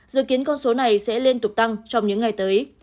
dự kiến con số này sẽ liên tục tăng trong những ngày tới